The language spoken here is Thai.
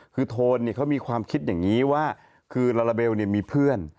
คือโทนเขามีความคิดอย่างนี้ว่าคือลาลาเบลมีเพื่อน